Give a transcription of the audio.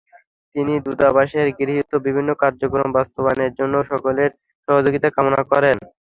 তিনি দূতাবাসের গৃহীত বিভিন্ন কার্যক্রম বাস্তবায়নের জন্য সকলের সহযোগিতা কামনা করেন।